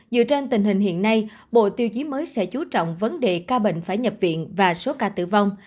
dựa trên tình hình hiện nay bộ tiêu chí mới sẽ chú trọng vấn đề ca bệnh phải nhập viện và số ca tử vong